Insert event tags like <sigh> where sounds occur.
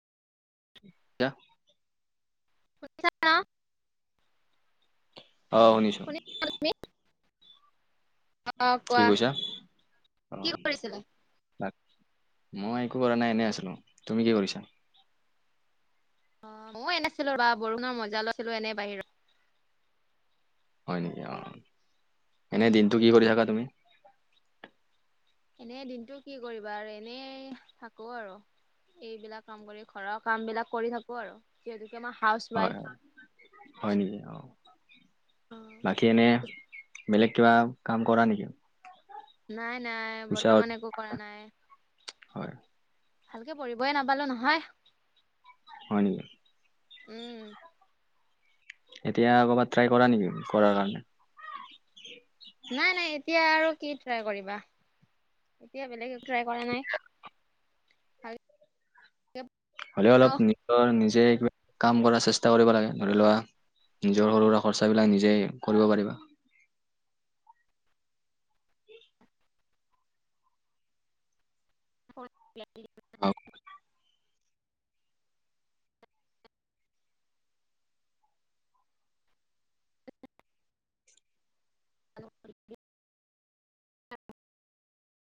<unintelligible> <unintelligible> অ', শুনিছোঁ। শুনিছা তুমি অ কি কোৱা কৈছা কি অ', কৰিছিলা? মই একো কৰা নাই এনে আছিলোঁ, তুমি কি কৰিছা? অ', মই এনে আছিলোঁ ৰবা বৰষুণৰ মজা লৈ আছিলোঁ এনে বাহিৰত হয় নেকি অ', এনে দিনটো কি কৰি থাকা তুমি? এনে দিনটো কি কৰিবা আৰু এনেই থাকো আৰু। এইবিলাক কাম কৰি ঘৰৰ কাম বিলাক কৰি থাকো আৰু যিহেতুকে মই হাউচ হয় হয় ৱাইফ। হয়, নেকি অ', বাকী এনে বেলেগ কিবা কাম কৰা নেকি? নাই - নাই, পইচা বৰ্তমান একো কৰা নাই, হয় ভালকে পঢ়িবই নাপালো নহয়। হয় নেকি? উম, এতিয়া কবাত ট্ৰাই কৰা নিকি পঢ়াৰ কাৰণে? নাই, নাই এতিয়া আৰু কি ট্ৰাই কৰিবা, এতিয়া বেলেগ ট্ৰাই কৰা নাই। <unintelligible> হ'লেও অলপ নিজৰ নিজে কাম কৰা চেষ্টা কৰিব লাগে ধৰি লোৱা নিজৰ সৰু সুৰা খৰচাবিলাক নিজেই কৰিব পাৰিবা। <inaudible> অ', <inaudible>